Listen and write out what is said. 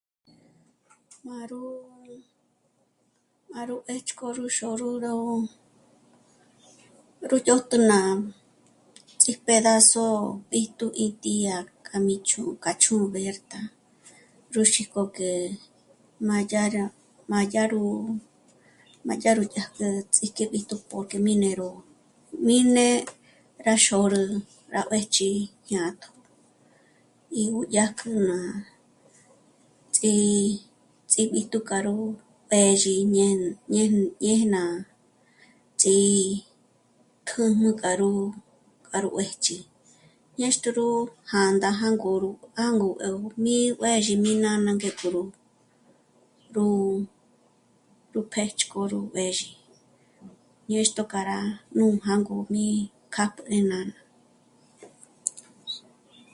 Má rú... má rú 'ë́tch'k'o ró... xôrügö rú dyö̀jtü ná ts'ípedazo b'íjtu 'íti yá k'a mí ch'ú'u k'a ch'ú bérta. Rú xík'o k'e má yá rá, má yá rú, má yá rú dyä̀jt'ä nú ts'ík'e b'íjtu porque mí né'e ró, mí né'e rá xôrü rá juë̌jch'i jñátjo y nú dyájk'ú ná ts'í... ts'íb'íjtu k'a ró pêzhi ñé... ñé... néje ná ts'ítjùjnu k'a rú kar juë̌ch'i. Ñâxto ró jā̂ndā ja gó ró mó jângo mí juë̌zhi mí k'a ná ngék'o ró... ró pé'ch'k'o ró b'ězhi, ñéxtjo k'a rá nú jângojmé kjáp'ü 'é ná...